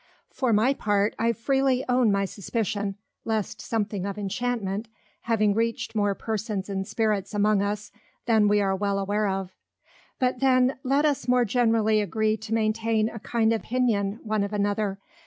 For my part, I freely own my Suspicion, lest something of Enchantment, have reach'd more Persons and Spirits among us, than we are well aware of. But then, let us more generally agree to maintain a kind Opinion one of another.